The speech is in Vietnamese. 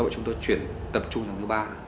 chúng tôi chuyển tập trung vào thứ ba